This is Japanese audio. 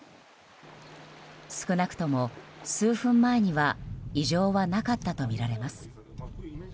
少なくとも数分前には異常はなかったとみられます。